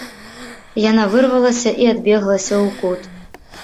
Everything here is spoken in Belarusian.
Яна вырвалася і адбеглася ў кут.